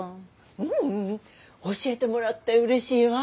ううん教えてもらってうれしいわ。